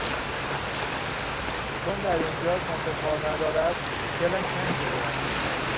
چون در اینجا کس و کار ندارد دلش تنگ شده است.